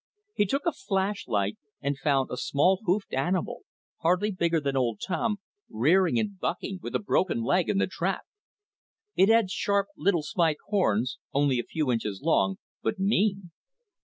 He took a flashlight and found a small hoofed animal, hardly bigger than old Tom, rearing and bucking with a broken leg in the trap. It had sharp little spike horns, only a few inches long, but mean.